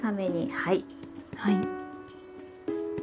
はい。